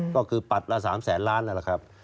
ก็คือปัดละ๓แสนล้านนั่นแหละครับ